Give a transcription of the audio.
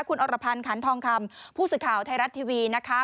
คุณอรพันธ์ขันทองคำผู้สื่อข่าวไทยรัฐทีวีนะคะ